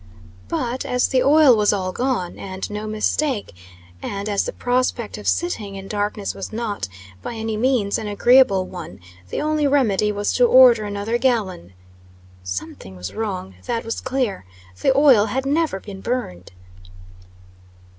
But, as the oil was all gone, and no mistake; and, as the prospect of sitting in darkness was not, by any means, an agreeable one the only remedy was to order another gallon. Something was wrong; that was clear. The oil had never been burned.